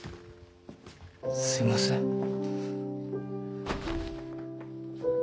すみません。